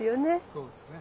そうですね。